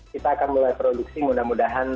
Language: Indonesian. kita akan mulai produksi mudah mudahan